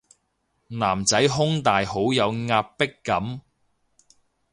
男仔胸大好有壓迫感